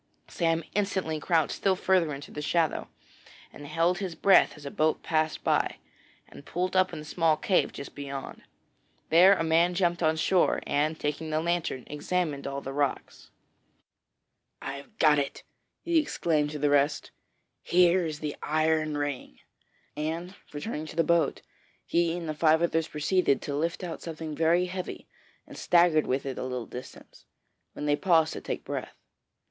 Sam instantly crouched still farther into the shadow, and held his breath as a boat passed by, and pulled up in a small cave just beyond. Then a man jumped on shore, and, taking the lantern, examined all the rocks. 'I've got it!' he exclaimed to the rest. 'Here is the iron ring,' and, returning to the boat, he and the five others proceeded to lift out something very heavy, and staggered with it a little distance, when they paused to take breath.